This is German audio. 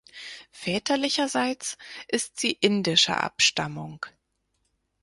Väterlicherseits ist sie indischer Abstammung.